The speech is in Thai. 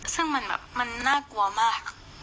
ซึ่งมันน่ากลัวมาก